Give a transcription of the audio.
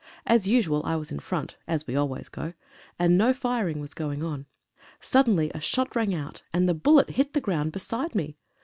As usual, I was in front (as we always go), and no firing was going on. Suddenly a shot rang out, and the bullet hit the ground beside me.